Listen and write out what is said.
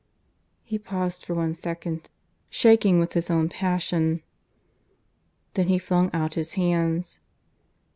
He paused for one second, shaking with his own passion. Then he flung out his hands.